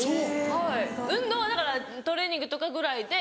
はい運動はだからトレーニングとかぐらいで。